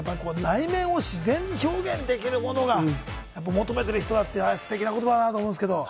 内面を自然に表現できるものが求めているってステキな言葉だと思うんですけれども。